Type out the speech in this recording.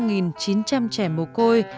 với khoảng chín trăm linh trẻ mồ côi